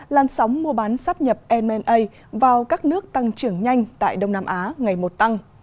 làn sóng mua bán sắp nhập m a vào các nước tăng trưởng nhanh tại đông nam á ngày một tăng